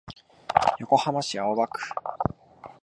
横浜市青葉区